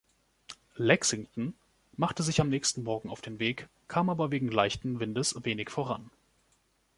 „Lexington“ machte sich am nächsten Morgen auf den Weg, kam aber wegen leichten Windes wenig voran.